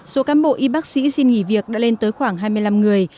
số cán bộ y bác sĩ xin nghỉ việc đã lên tới khoảng hai mươi năm người